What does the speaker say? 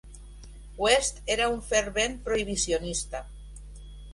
West era un fervent prohibicionista.